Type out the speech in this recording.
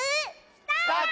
スタート！